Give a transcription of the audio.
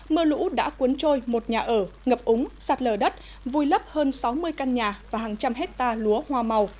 mưa lũ đã cuốn trôi một nhà ở ngập úng sạt lở đất vùi lấp hơn sáu mươi căn nhà và hàng trăm hectare lúa hoa màu